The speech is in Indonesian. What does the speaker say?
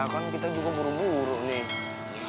kan kita juga buru buru nih